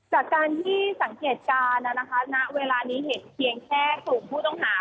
จากการที่สังเกตการณ์นะคะณเวลานี้เห็นเพียงแค่กลุ่มผู้ต้องหา